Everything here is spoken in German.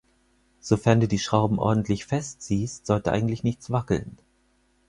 Sofern du die Schrauben ordentlich festziehst, sollte eigentlich nichts wackeln.